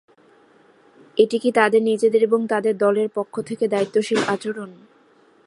এটি কি তাঁদের নিজেদের এবং তাঁদের দলের পক্ষ থেকে দায়িত্বশীল আচরণ?